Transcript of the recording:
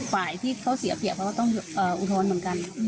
ฝ่ายที่เขาเสียเปรียบเขาก็ต้องอุทธรณ์เหมือนกัน